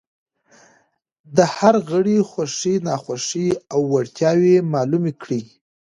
د هر غړي خوښې، ناخوښې او وړتیاوې معلومې کړئ.